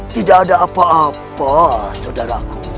tidak ada apa apa saudaraku